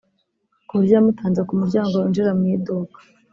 kuburyo yamutanze kumuryango winjira mu iduka